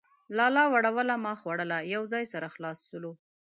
لالا وړوله ما خوړله ،. يو ځاى سره خلاص سولو.